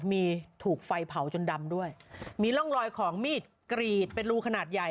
มีถูกไฟเผาจนดำด้วยมีร่องรอยของมีดกรีดเป็นรูขนาดใหญ่